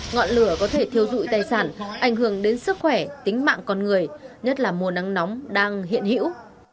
ngọn lửa có thể thiêu dụi tài sản ảnh hưởng đến sức khỏe tính mạng con người nhất là mùa nắng nóng đang hiện hữu